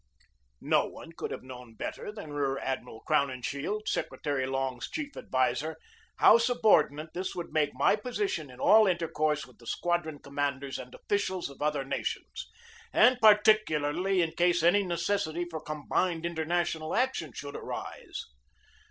No one could have known better than Rear Admiral Crowninshield, Secretary Long's chief ad viser, how subordinate this would make my position in all intercourse with the squadron commanders and officials of other nations, and particularly in case any necessity for combined international action should arise.